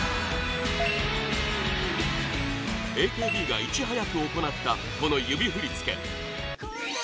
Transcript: ＡＫＢが、いち早く行ったこの指振り付け